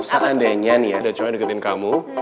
seandainya nih ada cowok deketin kamu